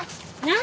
何？